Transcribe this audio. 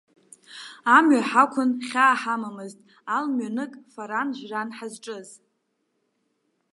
Амҩа ҳақәын, хьаа ҳамамызт, алмҩанык фаран, жәран ҳазҿыз.